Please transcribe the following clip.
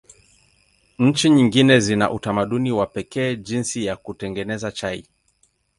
Nchi nyingi zina utamaduni wa pekee jinsi ya kutengeneza chai.